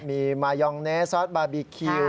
มีมายองเนสซอสบาร์บีคิว